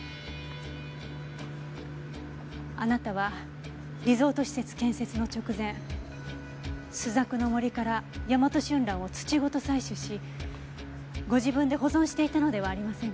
あなたはリゾート施設建設の直前朱雀の森からヤマトシュンランを土ごと採取しご自分で保存していたのではありませんか？